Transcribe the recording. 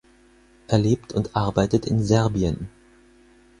Er lebt und arbeitet in Serbien.